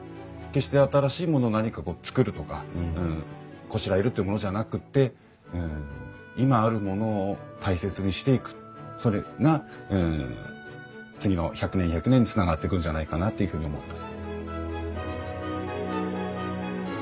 決して新しいものを何かつくるとかこしらえるっていうものじゃなくって今あるものを大切にしていくそれが次の１００年２００年につながってくんじゃないかなっていうふうに思います。